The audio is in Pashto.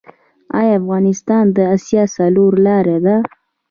آیا افغانستان د اسیا څلور لارې ده؟